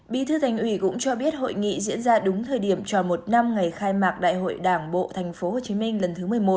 bí thư thành ủy cũng cho biết hội nghị diễn ra đúng thời điểm tròn một năm ngày khai mạc đại hội đảng bộ tp hcm lần thứ một mươi một